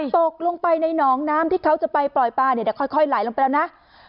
ตกลงไปในหนองน้ำที่เขาจะไปปล่อยปลาเนี่ยเดี๋ยวค่อยไหลลงไปแล้วนะ